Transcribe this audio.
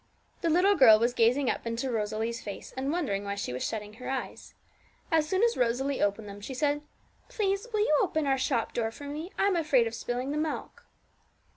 The little girl was gazing up into Rosalie's face, and wondering why she was shutting her eyes. As soon as Rosalie opened them, she said 'Please, will you open our shop door for me? I'm afraid of spilling the milk.'